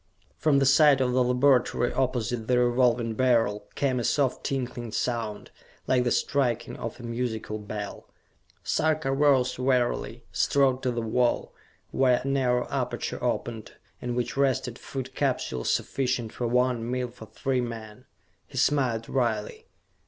From the side of the laboratory opposite the Revolving Beryl came a soft tinkling sound, like the striking of a musical bell. Sarka rose wearily, strode to the wall, where a narrow aperture opened, in which rested Food Capsules sufficient for one meal for three men. He smiled wryly.